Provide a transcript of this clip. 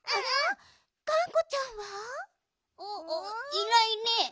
いないね。